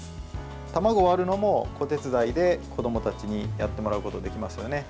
卵を割るのも子手伝いで子どもたちにやってもらうことできますよね。